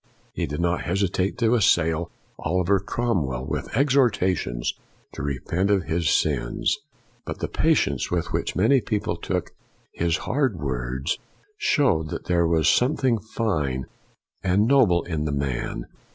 He did not hesitate to assail Oliver Cromwell with exhortations to repent of his sins. But the patience with which many good people took his hard words shows that there was some thing fine and noble in the man.